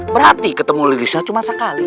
berarti ketemu lilisha cuma sekali